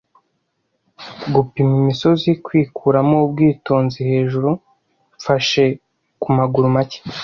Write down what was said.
Gupima imisozi, kwikuramo ubwitonzi hejuru, mfashe ku maguru make ,